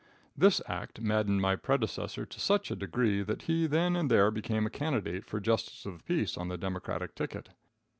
This act maddened my predecessor to such a degree, that he then and there became a candidate for justice of the peace on the Democratic ticket.